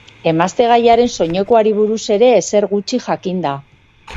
Emaztegaiaren soinekoari buruz ere ezer gutxi jakin da.